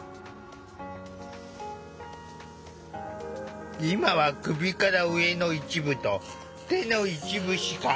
今は首から上の一部と手の一部しか動かせないため。